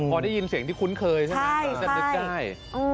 พอได้ยินเสียงที่คุ้นเคยใช่ไหมก็จะนึกได้